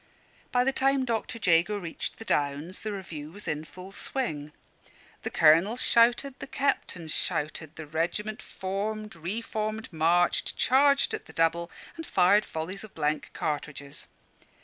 By the time Dr. Jago reached the Downs, the review was in full swing. The colonel shouted, the captains shouted, the regiment formed, re formed, marched, charged at the double, and fired volleys of blank cartridges.